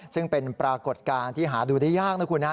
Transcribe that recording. ซึ่งเป็นปรากฏการณ์ที่หาดูได้ยากนะคุณฮะ